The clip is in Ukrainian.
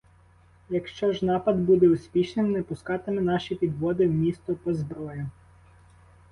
Якщо ж напад буде успішним — не пускатиме наші підводи в місто по зброю.